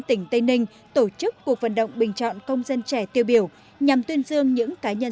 tỉnh tây ninh tổ chức cuộc vận động bình chọn công dân trẻ tiêu biểu nhằm tuyên dương những cá nhân